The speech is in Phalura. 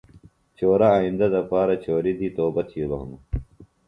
چورہ آئیندہ دپارہ چوری دی توبہ تِھیلوۡ ہِنوۡ